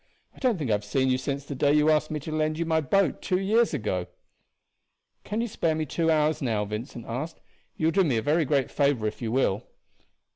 I don't think I have seen you since the day you asked me to lend you my boat two years ago." "Can you spare me two hours now?" Vincent asked. "You will do me a very great favor if you will."